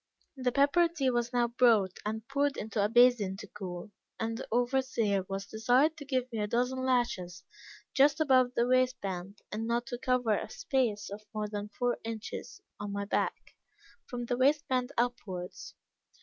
"The pepper tea was now brought, and poured into a basin to cool, and the overseer was desired to give me a dozen lashes just above the waist band; and not to cover a space of more than four inches on my back, from the waist band upwards.